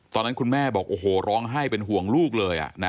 ตอนนั้นคุณแม่บอกโอ้โหร้องไห้เป็นห่วงลูกเลย